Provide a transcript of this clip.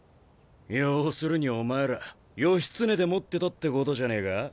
要するにお前ら義経でもってたってことじゃねえか？